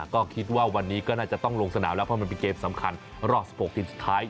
ก็คิดว่าวันนี้ก็น่าจะต้องลงสนามแล้วเพราะมันเป็นเกมสำคัญรอบ๑๖ทีมสุดท้าย